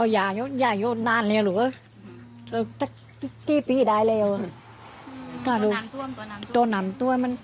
ยายอยู่นานเลยหรือสักกี่ปีได้เลยตัวน้ำท่วม